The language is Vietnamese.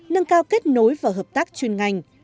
nâng cao kết nối và hợp tác chuyên ngành